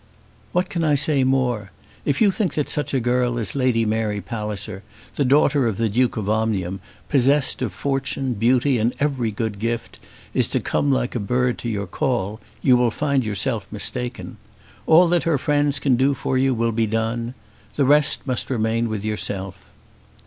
"What can I say more? If you think that such a girl as Lady Mary Palliser, the daughter of the Duke of Omnium, possessed of fortune, beauty, and every good gift, is to come like a bird to your call, you will find yourself mistaken. All that her friends can do for you will be done. The rest must remain with yourself."